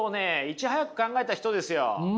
いち早く考えた人ですよ。